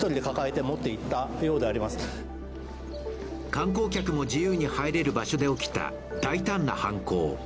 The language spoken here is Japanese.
観光客も自由に入れる場所で起きた大胆な犯行。